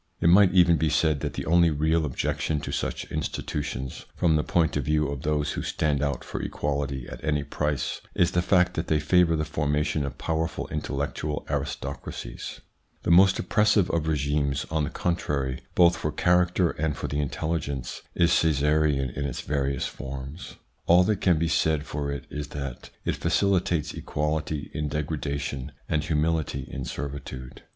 It might even be said that the only real objection to such institutions, from the point of view of those who stand out for equality at any price, is the fact that they favour the formation of powerful intellectual aristocracies. The most oppressive of regimes, on the contrary, both for character and for the intelli gence, is Caesarism in its various forms. All that can be said for it is that it facilitates equality in degradation and humility in servitude.